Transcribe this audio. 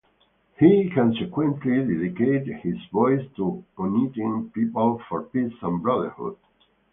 He consequently dedicated his voice to uniting people for peace and brotherhood.